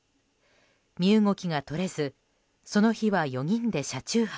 身動きが取れずその日は４人で車中泊。